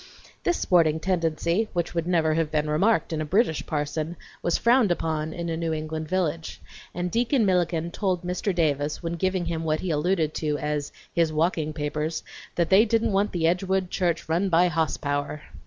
This sporting tendency, which would never have been remarked in a British parson, was frowned upon in a New England village, and Deacon Milliken told Mr. Davis, when giving him what he alluded to as his "walking papers," that they didn't want the Edgewood church run by hoss power!